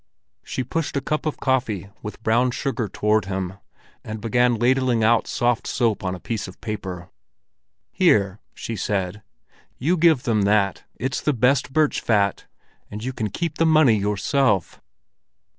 She pushed a cup of coffee with brown sugar toward him, and began ladling out soft soap on to a piece of paper. "Here," she said. "You give them that: it's the best birch fat. And you can keep the money yourself."